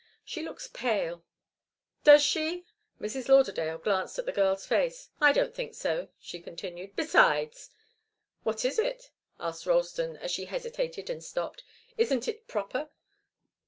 She looks pale." "Does she?" Mrs. Lauderdale glanced at the girl's face. "I don't think so," she continued. "Besides " "What is it?" asked Ralston, as she hesitated and stopped. "Isn't it proper?